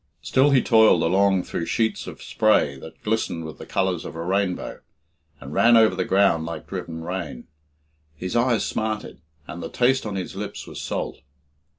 Still he toiled along through sheets of spray that glistened with the colours of a rainbow, and ran over the ground like driven rain. His eyes smarted, and the taste on his lips was salt.